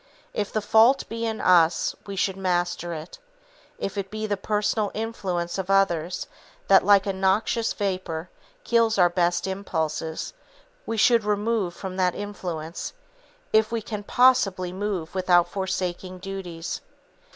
If the fault be in us, we should master it. If it be the personal influence of others that, like a noxious vapor, kills our best impulses, we should remove from that influence, if we can possibly move without forsaking duties.